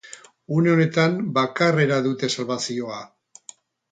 Une honetan bakarrera dute salbazioa.